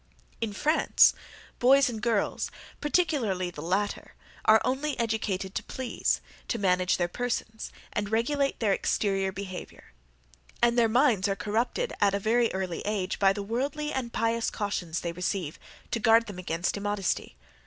In France, boys and girls, particularly the latter, are only educated to please, to manage their persons, and regulate their exterior behaviour; and their minds are corrupted at a very early age, by the worldly and pious cautions they receive, to guard them against immodesty.